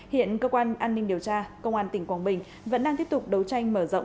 hiện cơ quan an ninh điều tra công an tỉnh quảng bình vẫn đang tiếp tục đấu tranh mở rộng